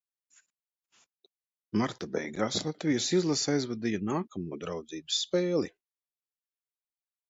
Marta beigās Latvijas izlase aizvadīja nākamo draudzības spēli.